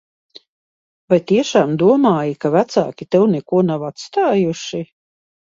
Vai tiešām domāji, ka vecāki tev neko nav atstājuši?